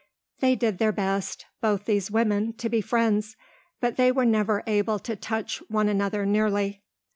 They did their best, both these women to be friends, but they were never able to again touch one another nearly.